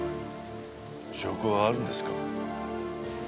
証拠はあるんですか？